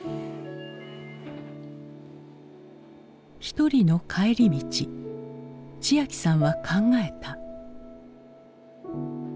一人の帰り道千彬さんは考えた。